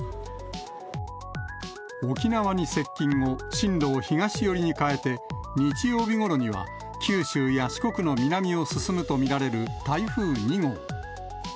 沖縄に接近後、進路を東寄りに変えて、日曜日ごろには九州や四国の南を進むと見られる台風２号。